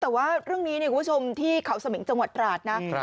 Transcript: แต่ว่าเรื่องนี้เนี่ยคุณผู้ชมที่เขาสมิงจังหวัดตราดนะ